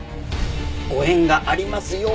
ご縁がありますように！